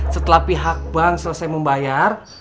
setelah pihak bank selesai membayar